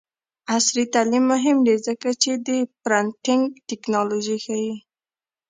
عصري تعلیم مهم دی ځکه چې د پرنټینګ ټیکنالوژي ښيي.